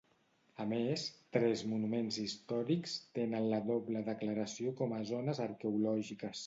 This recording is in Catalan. A més, tres monuments històrics tenen la doble declaració com a zones arqueològiques.